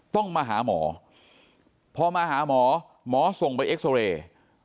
ต้องมาหาหมอพอมาหาหมอหมอส่งไปเอ็กซอเรย์